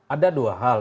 ada dua hal